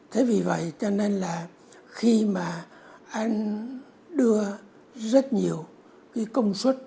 thế vì vậy cho nên là khi mà anh đưa rất nhiều cái công suất